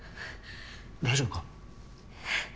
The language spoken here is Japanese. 大丈夫か？